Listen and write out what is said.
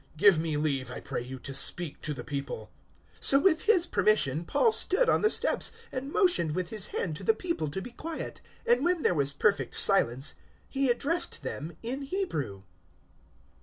Give me leave, I pray you, to speak to the people." 021:040 So with his permission Paul stood on the steps and motioned with his hand to the people to be quiet; and when there was perfect silence he addressed them in Hebrew.